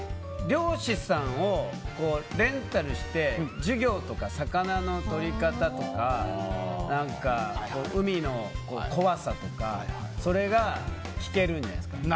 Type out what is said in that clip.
漁師さんをレンタルして授業とか、魚のとり方とか海の怖さとかが聞けるんじゃないですかね。